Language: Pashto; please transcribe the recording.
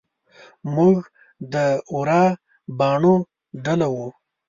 موږ د ورا باڼو ډله وو.